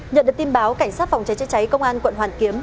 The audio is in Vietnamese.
nhận được tin báo cảnh sát phòng cháy chữa cháy công an quận hoàn kiếm